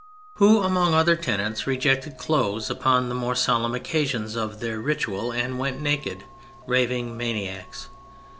] who among other tenets rejected clothes upon the more solemn occasions of their ritual and went naked: raving maniacs.